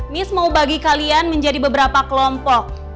mis mau bagi kalian menjadi beberapa kelompok